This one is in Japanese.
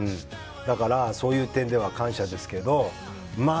だから、そういう点では感謝ですけど。